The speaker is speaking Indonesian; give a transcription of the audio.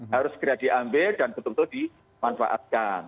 harus segera diambil dan betul betul dimanfaatkan